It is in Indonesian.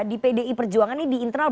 di pdi perjuangan ini di internal